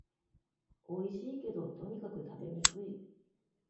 おいしいけど、とにかく食べにくい